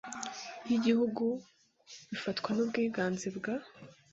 y Igihugu bifatwa n ubwiganze bwa